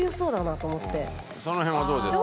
その辺はどうですか？